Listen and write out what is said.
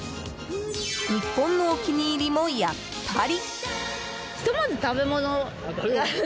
日本のお気に入りも、やっぱり。